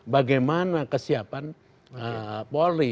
bagaimana kesiapan polri